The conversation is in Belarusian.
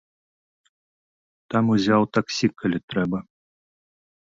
Там узяў таксі, калі трэба.